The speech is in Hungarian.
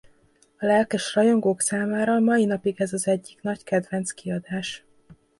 A lelkes rajongók számára mai napig ez az egyik nagy kedvenc kiadás.